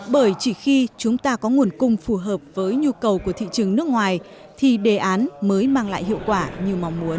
bởi chỉ khi chúng ta có nguồn cung phù hợp với nhu cầu của thị trường nước ngoài thì đề án mới mang lại hiệu quả như mong muốn